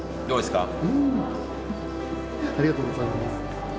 どうですか？